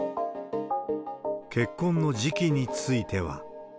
結婚の時期については。